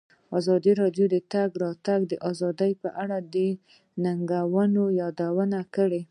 ازادي راډیو د د تګ راتګ ازادي په اړه د ننګونو یادونه کړې.